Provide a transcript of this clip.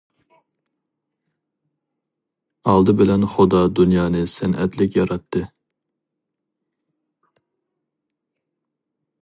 ئالدى بىلەن خۇدا دۇنيانى سەنئەتلىك ياراتتى.